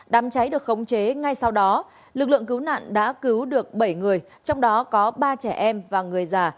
đám cháy được khống chế ngay sau đó lực lượng cứu nạn đã cứu được bảy người trong đó có ba trẻ em và người già